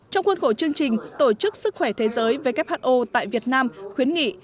trong khuôn khổ chương trình tổ chức sức khỏe thế giới who tại việt nam khuyến nghị